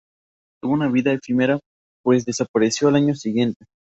Tuvo una vida efímera pues desapareció al año siguiente.